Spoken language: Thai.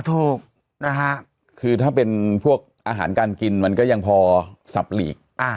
ถูกนะฮะคือถ้าเป็นพวกอาหารการกินมันก็ยังพอสับหลีก